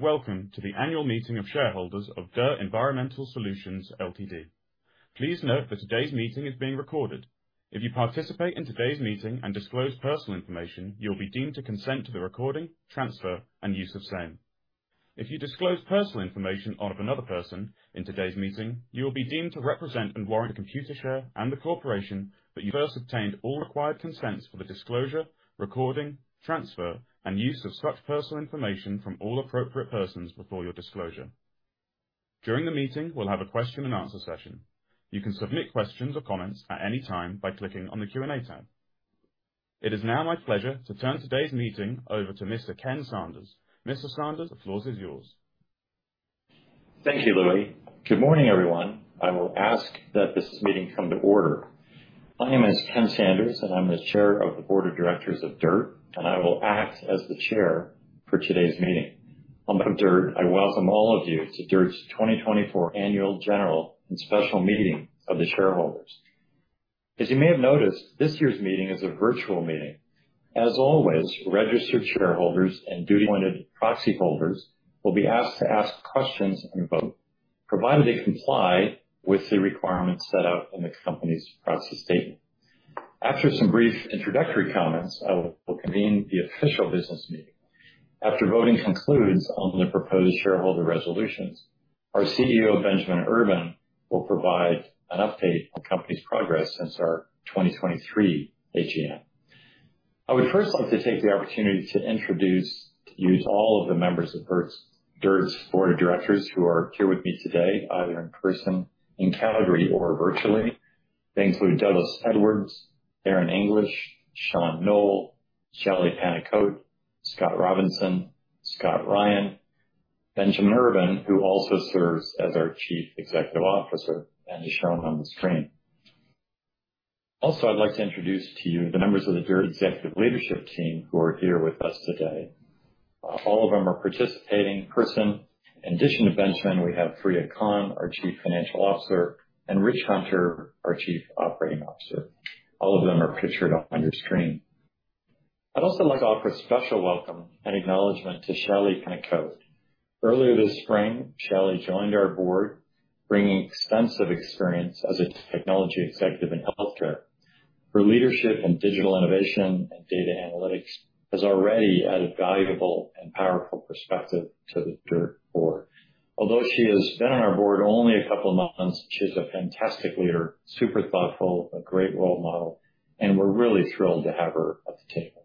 Hello, and welcome to the annual meeting of shareholders of DIRTT Environmental Solutions Ltd. Please note that today's meeting is being recorded. If you participate in today's meeting and disclose personal information, you will be deemed to consent to the recording, transfer, and use of same. If you disclose personal information of another person in today's meeting, you will be deemed to represent and warrant to Computershare and the corporation that you first obtained all required consents for the disclosure, recording, transfer, and use of such personal information from all appropriate persons before your disclosure. During the meeting, we'll have a question and answer session. You can submit questions or comments at any time by clicking on the Q&A tab. It is now my pleasure to turn today's meeting over to Mr. Ken Sanders. Mr. Sanders, the floor is yours. Thank you, Louie. Good morning, everyone. I will ask that this meeting come to order. My name is Ken Sanders, and I'm the Chair of the Board of Directors of DIRTT, and I will act as the chair for today's meeting. On behalf of DIRTT, I welcome all of you to DIRTT's 2024 Annual General and Special Meeting of the Shareholders. As you may have noticed, this year's meeting is a virtual meeting. As always, registered shareholders and duly appointed proxy holders will be asked to ask questions and vote, provided they comply with the requirements set out in the company's proxy statement. After some brief introductory comments, I will convene the official business meeting. After voting concludes on the proposed shareholder resolutions, our CEO, Benjamin Urban, will provide an update on the company's progress since our 2023 AGM. I would first like to take the opportunity to introduce to you all of the members of DIRTT's Board of Directors who are here with me today, either in person in Calgary or virtually. They include Douglas Edwards, Aron English, Shaun Noll, Shelley Penicotte, Scott Robinson, Scott Ryan, Benjamin Urban, who also serves as our Chief Executive Officer and is shown on the screen. I'd like to introduce to you the members of the DIRTT Executive Leadership Team who are here with us today. All of them are participating in person. In addition to Benjamin, we have Fareeha Khan, our Chief Financial Officer, and Rich Hunter, our Chief Operating Officer. All of them are pictured on your screen. I'd also like to offer a special welcome and acknowledgement to Shelley Penicotte. Earlier this spring, Shelley joined our Board, bringing extensive experience as a technology executive in healthcare. Her leadership in digital innovation and data analytics has already added valuable and powerful perspective to the DIRTT board. She has been on our board only a couple of months, she's a fantastic leader, super thoughtful, a great role model, and we're really thrilled to have her at the table.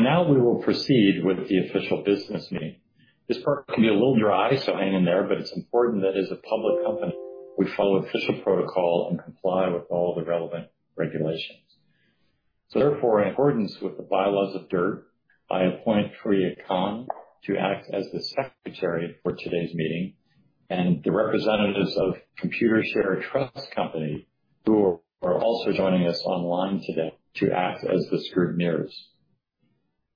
Now we will proceed with the official business meeting. This part can be a little dry, so hang in there, but it's important that as a public company, we follow official protocol and comply with all the relevant regulations. Therefore, in accordance with the bylaws of DIRTT, I appoint Fareeha Khan to act as the secretary for today's meeting and the representatives of Computershare Trust Company, who are also joining us online today to act as the scrutineers.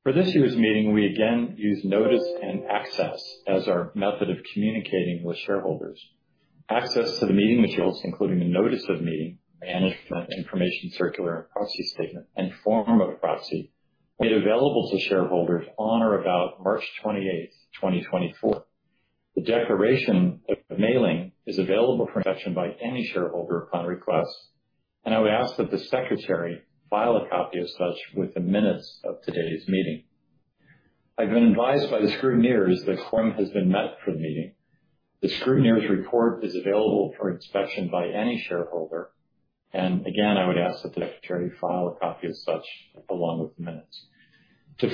For this year's meeting, we again use notice and access as our method of communicating with shareholders. Access to the meeting materials, including the notice of meeting, management information circular and proxy statement, and form of proxy, made available to shareholders on or about March 28th, 2024. The declaration of mailing is available for inspection by any shareholder upon request, and I would ask that the secretary file a copy of such with the minutes of today's meeting. I've been advised by the scrutineers that quorum has been met for the meeting. The scrutineers' report is available for inspection by any shareholder, and again, I would ask that the secretary file a copy of such along with the minutes. To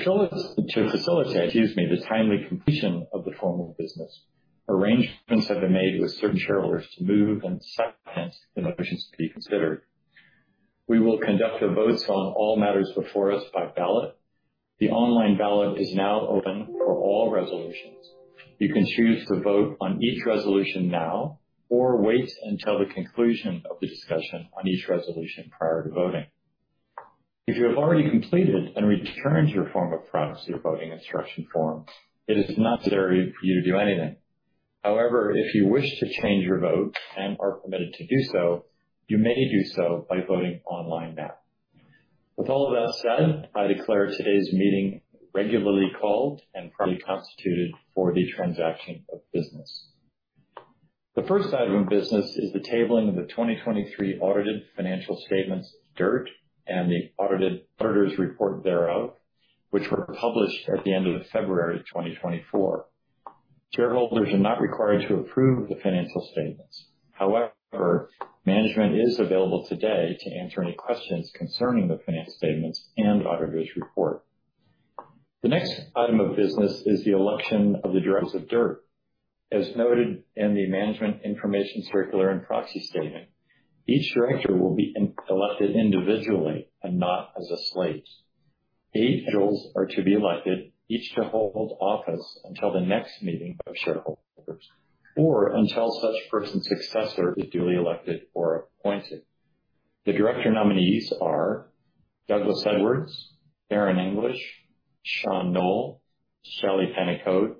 facilitate, excuse me, the timely completion of the formal business, arrangements have been made with certain shareholders to move and second the motions to be considered. We will conduct our votes on all matters before us by ballot. The online ballot is now open for all resolutions. You can choose to vote on each resolution now or wait until the conclusion of the discussion on each resolution prior to voting. If you have already completed and returned your form of proxy or voting instruction forms, it is not necessary for you to do anything. However, if you wish to change your vote and are permitted to do so, you may do so by voting online now. With all of that said, I declare today's meeting regularly called and properly constituted for the transaction of business. The first item of business is the tabling of the 2023 audited financial statements of DIRTT and the auditor's report thereof, which were published at the end of February 2024. Shareholders are not required to approve the financial statements. However, management is available today to answer any questions concerning the financial statements and auditor's report. The next item of business is the election of the directors of DIRTT. As noted in the management information circular and proxy statement, each director will be elected individually and not as a slate. Eight individuals are to be elected, each to hold office until the next meeting of shareholders, or until such person's successor is duly elected or appointed. The director nominees are Douglas Edwards, Aron English, Shaun Noll, Shelley Penicotte,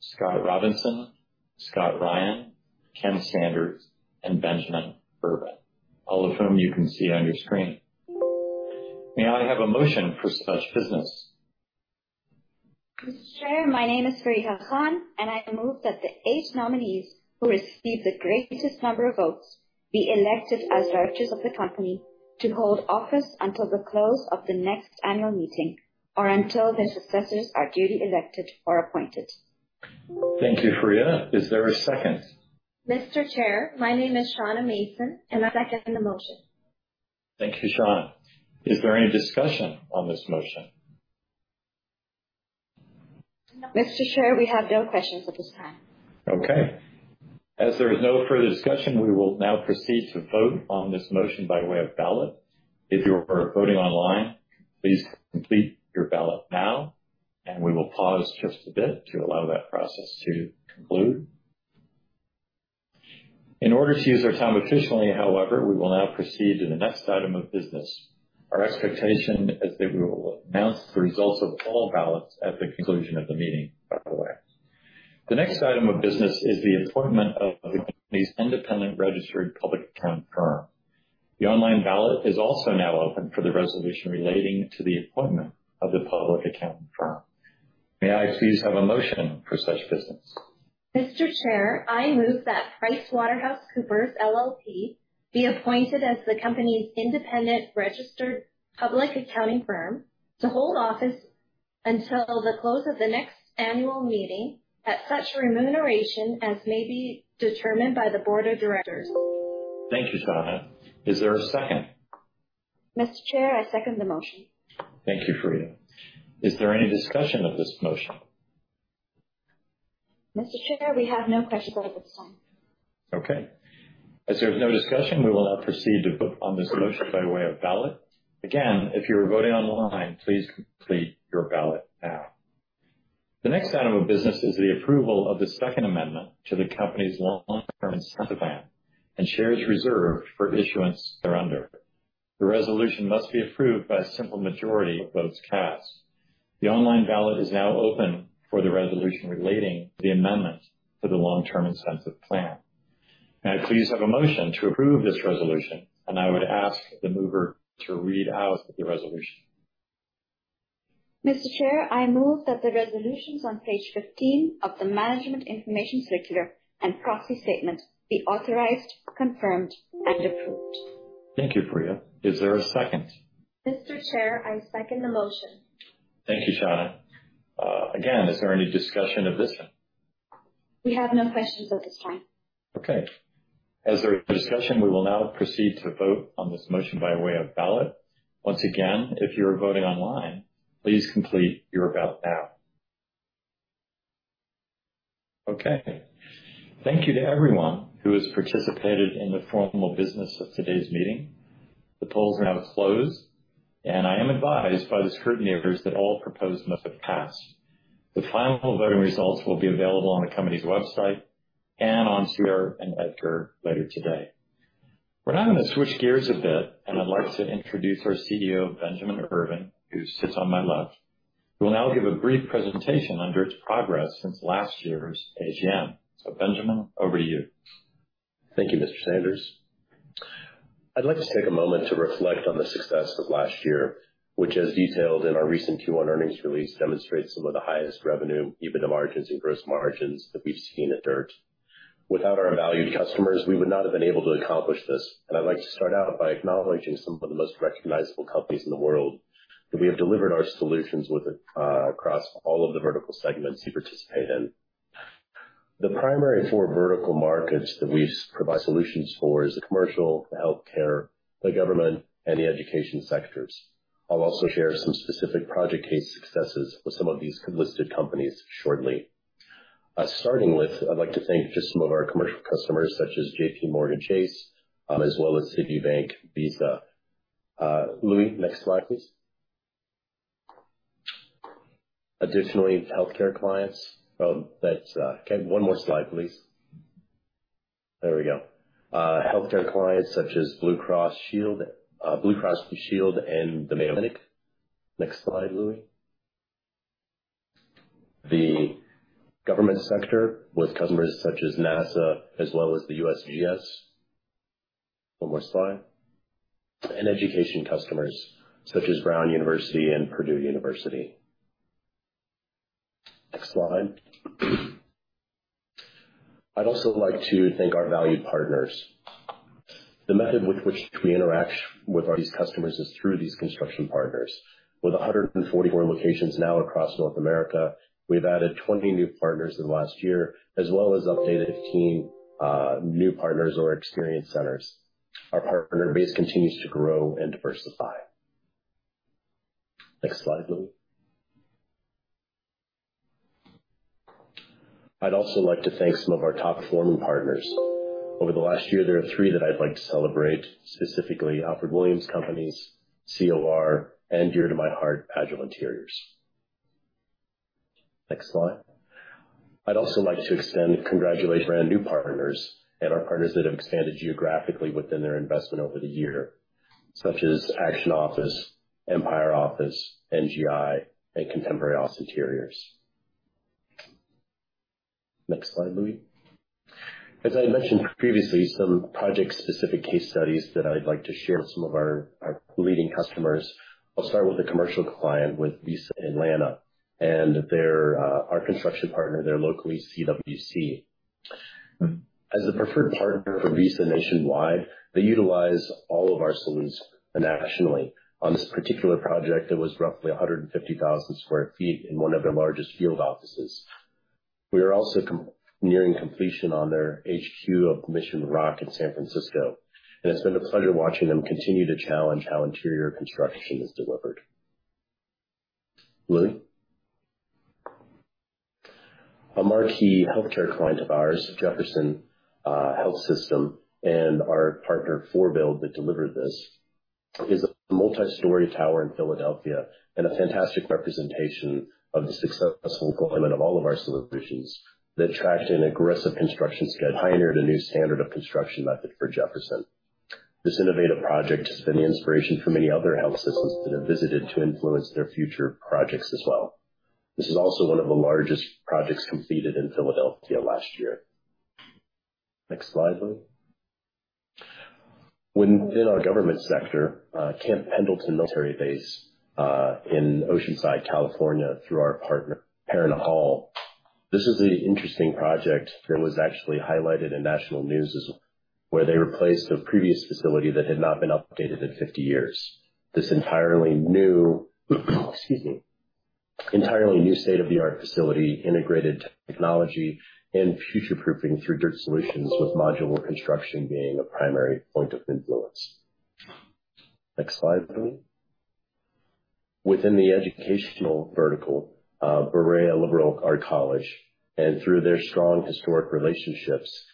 Scott Robinson, Scott Ryan, Ken Sanders, and Benjamin Urban, all of whom you can see on your screen. May I have a motion for such business? Mr. Chair, my name is Fareeha Khan. I move that the eight nominees who received the greatest number of votes be elected as directors of the company to hold office until the close of the next annual meeting or until their successors are duly elected or appointed. Thank you, Fareeha. Is there a second? Mr. Chair, my name is Shawna Mason, and I second the motion. Thank you, Shawna. Is there any discussion on this motion? Mr. Chair, we have no questions at this time. Okay. As there is no further discussion, we will now proceed to vote on this motion by way of ballot. If you are voting online, please complete your ballot now, and we will pause just a bit to allow that process to conclude. In order to use our time efficiently, however, we will now proceed to the next item of business. Our expectation is that we will announce the results of all ballots at the conclusion of the meeting, by the way. The next item of business is the appointment of the company's independent registered public accounting firm. The online ballot is also now open for the resolution relating to the appointment of the public accounting firm. May I please have a motion for such business? Mr. Chair, I move that PricewaterhouseCoopers LLP be appointed as the company's independent registered public accounting firm to hold office until the close of the next annual meeting at such a remuneration as may be determined by the board of directors. Thank you, Fareeha. Is there a second? Mr. Chair, I second the motion. Thank you, Fareeha. Is there any discussion of this motion? Mr. Chair, we have no questions at this time. Okay. As there is no discussion, we will now proceed to vote on this motion by way of ballot. Again, if you are voting online, please complete your ballot now. The next item of business is the approval of the second amendment to the company's long-term incentive plan and shares reserved for issuance thereunder. The resolution must be approved by a simple majority of votes cast. The online ballot is now open for the resolution relating the amendment to the long-term incentive plan. May I please have a motion to approve this resolution, and I would ask the mover to read out the resolution. Mr. Chair, I move that the resolutions on page 15 of the management information circular and proxy statement be authorized, confirmed, and approved. Thank you, Fareeha. Is there a second? Mr. Chair, I second the motion. Thank you, Shawna. Again, is there any discussion of this? We have no questions at this time. As there is no discussion, we will now proceed to vote on this motion by way of ballot. If you are voting online, please complete your ballot now. Thank you to everyone who has participated in the formal business of today's meeting. The polls now close. I am advised by the scrutineers that all proposals have passed. The final voting results will be available on the company's website and on SEC EDGAR later today. We're now going to switch gears a bit. I'd like to introduce our CEO, Benjamin Urban, who sits on my left, who will now give a brief presentation on DIRTT's progress since last year's AGM. Benjamin, over to you. Thank you, Mr. Sanders. I'd like to take a moment to reflect on the success of last year, which, as detailed in our recent Q1 earnings release, demonstrates some of the highest revenue, EBITDA margins, and gross margins that we've seen at DIRTT. Without our valued customers, we would not have been able to accomplish this. I'd like to start out by acknowledging some of the most recognizable companies in the world that we have delivered our solutions with across all of the vertical segments we participate in. The primary four vertical markets that we provide solutions for is the commercial, the healthcare, the government, and the education sectors. I'll also share some specific project case successes with some of these listed companies shortly. Starting with, I'd like to thank just some of our commercial customers, such as JPMorgan Chase, as well as Citibank, Visa. Louie, next slide, please. Additionally, healthcare clients. Oh, Ken, one more slide, please. There we go. Healthcare clients such as Blue Cross Blue Shield and the Mayo Clinic. Next slide, Louie. The government sector with customers such as NASA as well as the USGS. One more slide. Education customers such as Brown University and Purdue University. Next slide. I'd also like to thank our valued partners. The method with which we interact with all these customers is through these construction partners. With 144 locations now across North America, we've added 20 new partners in the last year as well as updated 15 new partners or experience centers. Our partner base continues to grow and diversify. Next slide, Louie. I'd also like to thank some of our top performing partners. Over the last year, there are three that I'd like to celebrate, specifically Alfred Williams & Companies, COR, and dear to my heart, Agile Interiors. Next slide. I'd also like to extend congratulations to our new partners and our partners that have expanded geographically within their investment over the year. Such as Action Office, Empire Office, NGI, and Contemporary Office Interiors. Next slide, Louie. As I mentioned previously, some project-specific case studies that I'd like to share with some of our leading customers. I'll start with a commercial client with Visa in Atlanta, and our construction partner there locally, CWC. As a preferred partner for Visa nationwide, they utilize all of our solutions nationally. On this particular project, it was roughly 150,000 sq ft in one of their largest field offices. We are also nearing completion on their HQ of Mission Rock in San Francisco, and it's been a pleasure watching them continue to challenge how interior construction is delivered. Louie. A marquee healthcare client of ours, Jefferson Health, and our partner ForBuild, that delivered this, is a multi-story tower in Philadelphia and a fantastic representation of the successful deployment of all of our solutions that tracked an aggressive construction schedule, pioneered a new standard of construction method for Jefferson. This innovative project has been the inspiration for many other health systems that have visited to influence their future projects as well. This is also one of the largest projects completed in Philadelphia last year. Next slide, Louie. Within our government sector, Camp Pendleton military base in Oceanside, California, through our partner Parron Hall. This is an interesting project that was actually highlighted in national news where they replaced a previous facility that had not been updated in 50 years. This entirely new state-of-the-art facility integrated technology and future-proofing through DIRTT solutions, with modular construction being a primary point of influence. Next slide, Louie. Within the educational vertical, Berea College, and through their strong historic relationships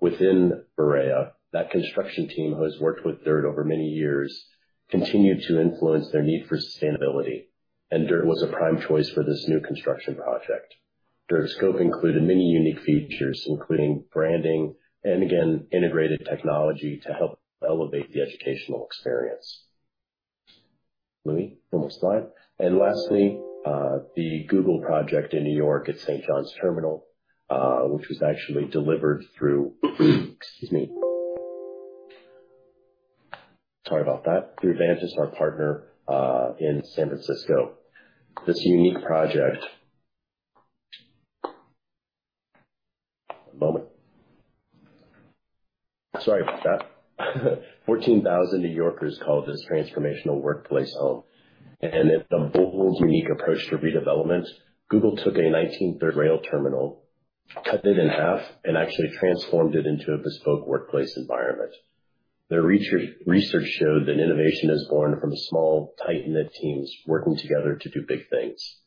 within Berea, that construction team, who has worked with DIRTT over many years, continued to influence their need for sustainability, and DIRTT was a prime choice for this new construction project. DIRTT's scope included many unique features, including branding and again, integrated technology to help elevate the educational experience. Louie, next slide. Lastly, the Google project in New York at St. John's Terminal, which was actually delivered through Vantis, our partner in San Francisco. Excuse me. Sorry about that. One moment. Sorry about that. 14,000 New Yorkers call this transformational workplace home. In a bold, unique approach to redevelopment, Google took a 1930s freight terminal, cut it in half, and actually transformed it into a bespoke workplace environment. Their research showed that innovation is born from small, tight-knit teams working together to do big things.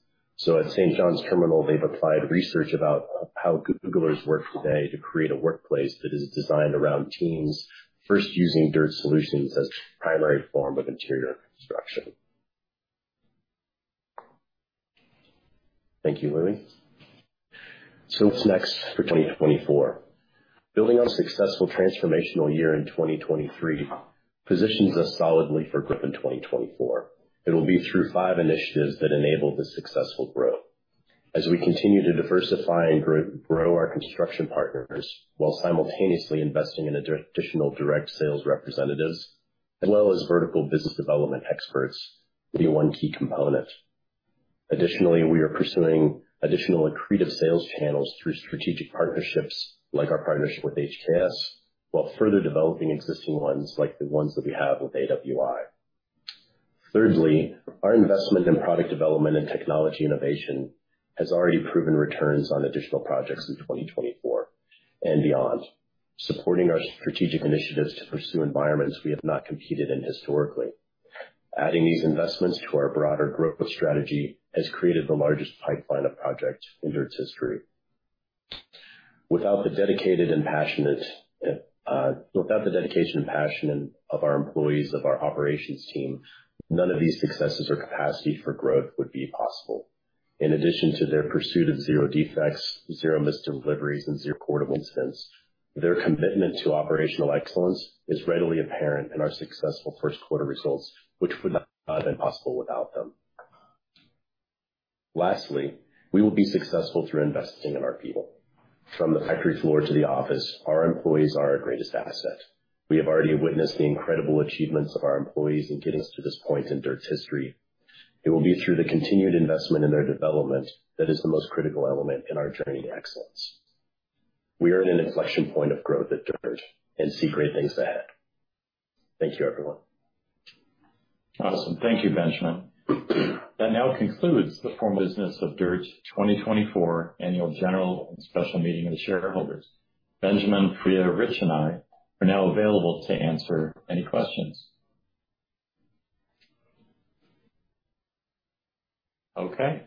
At St. John's Terminal, they've applied research about how Googlers work today to create a workplace that is designed around teams, first using DIRTT solutions as the primary form of interior construction. Thank you, Louie. What's next for 2024? Building our successful transformational year in 2023 positions us solidly for growth in 2024. It'll be through five initiatives that enable this successful growth. As we continue to diversify and grow our construction partners while simultaneously investing in additional direct sales representatives as well as vertical business development experts, be one key component. Additionally, we are pursuing additional accretive sales channels through strategic partnerships, like our partnership with HKS, while further developing existing ones like the ones that we have with AWI. Thirdly, our investment in product development and technology innovation has already proven returns on additional projects in 2024 and beyond, supporting our strategic initiatives to pursue environments we have not competed in historically. Adding these investments to our broader growth strategy has created the largest pipeline of projects in DIRTT's history. Without the dedication and passion of our employees of our operations team, none of these successes or capacity for growth would be possible. In addition to their pursuit of zero defects, zero missed deliveries, and zero reportable incidents, their commitment to operational excellence is readily apparent in our successful first quarter results, which would not have been possible without them. Lastly, we will be successful through investing in our people. From the factory floor to the office, our employees are our greatest asset. We have already witnessed the incredible achievements of our employees in getting us to this point in DIRTT's history. It will be through the continued investment in their development that is the most critical element in our journey to excellence. We are at an inflection point of growth at DIRTT and see great things ahead. Thank you, everyone. Awesome. Thank you, Benjamin. That now concludes the formal business of DIRTT's 2024 Annual General and Special Meeting of Shareholders. Benjamin, Fareeha, Rich, and I are now available to answer any questions. Okay.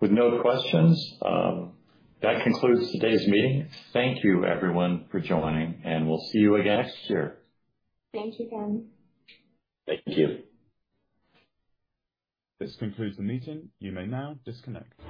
With no questions, that concludes today's meeting. Thank you everyone for joining, and we'll see you again next year. Thank you, Tony. Thank you. This concludes the meeting. You may now disconnect.